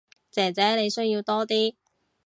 姐姐你需要多啲